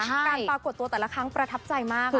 การปรากฏตัวแต่ละครั้งประทับใจมาก